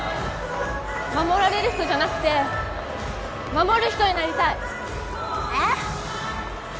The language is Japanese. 守られる人じゃなくて守る人になりたいええ？